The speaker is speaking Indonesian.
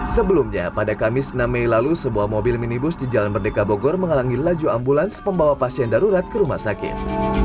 sebelumnya pada kamis enam mei lalu sebuah mobil minibus di jalan merdeka bogor menghalangi laju ambulans pembawa pasien darurat ke rumah sakit